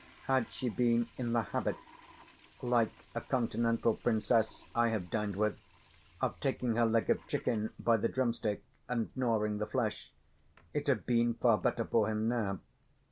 Had she been in the habit, like a continental princess I have dined with, of taking her leg of chicken by the drumstick and gnawing the flesh, it had been far better for him now.